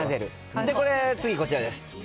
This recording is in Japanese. これ、次こちらです。